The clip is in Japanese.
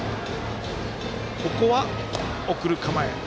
ここは、送る構え。